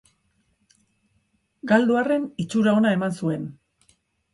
Galdu arren, itxura ona eman zuen.